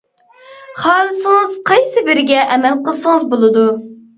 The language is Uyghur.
خالىسىڭىز قايسى بىرىگە ئەمەل قىلسىڭىز بولىدۇ.